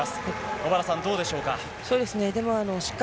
小原さん、どうでしょうか？